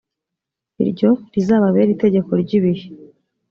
iryo rizababere itegeko ry ibihe